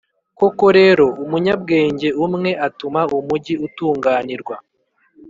Koko rero, umunyabwenge umwe atuma umugi utunganirwa,